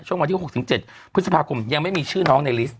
วันที่๖๗พฤษภาคมยังไม่มีชื่อน้องในลิสต